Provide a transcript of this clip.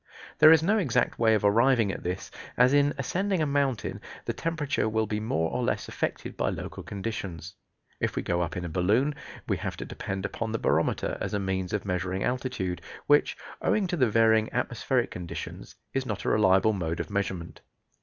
There is no exact way of arriving at this, as in ascending a mountain the temperature will be more or less affected by local conditions. If we go up in a balloon we have to depend upon the barometer as a means of measuring altitude, which, owing to the varying atmospheric conditions, is not a reliable mode of measurement.